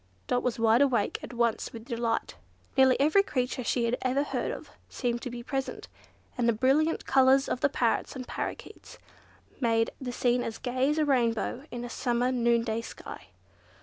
Dot was wide awake at once with delight. Nearly every creature she had ever heard of seemed to be present, and the brilliant colours of the parrots and parrakeets made the scene as gay as a rainbow in a summer noonday sky.